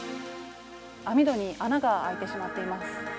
網戸に穴が開いてしまっています。